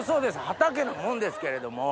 畑のもんですけれども。